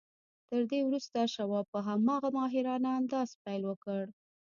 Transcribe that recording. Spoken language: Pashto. تر دې وروسته شواب په هماغه ماهرانه انداز پیل وکړ